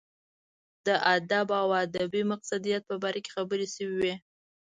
د ادب او ادبي مقصدیت په باره کې خبرې شوې وې.